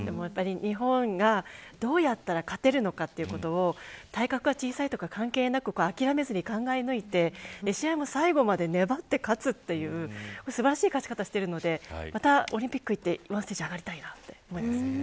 日本がどうやって勝てるのかということを体格は小さいとか関係なく諦めずに考え抜いて試合も最後まで粘って勝つという素晴らしい勝ち方をしているのでまたオリンピックに行ってステージに上がりたいです。